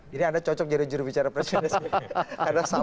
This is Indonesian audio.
jadi anda cocok jadi jurubicara presiden